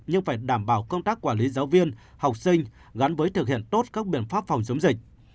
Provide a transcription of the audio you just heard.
nhưng phải đảm bảo công tác quản lý giáo viên học sinh gắn với thực hiện tốt các biện pháp phòng chống dịch